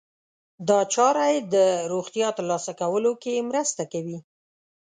دا چاره يې د روغتیا ترلاسه کولو کې مرسته کوي.